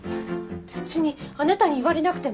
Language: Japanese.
別にあなたに言われなくても。